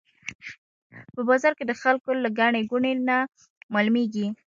په بازار کې د خلکو له ګڼې ګوڼې نه معلومېږي.